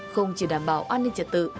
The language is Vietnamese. không chỉ đảm bảo an ninh trật tự